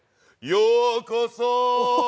ようこそ。